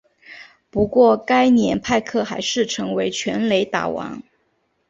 不过该年派克还是成为全垒打王。